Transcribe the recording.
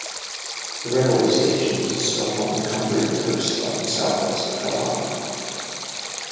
The railway station is a stop on the Cumbrian Coast Line south-west of Carlisle.